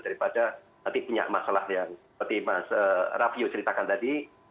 daripada nanti punya masalah yang seperti mas raffio ceritakan tadi